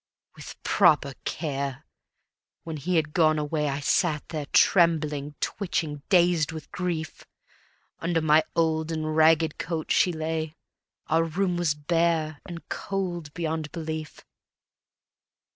"With proper care!" When he had gone away, I sat there, trembling, twitching, dazed with grief. Under my old and ragged coat she lay, Our room was bare and cold beyond belief.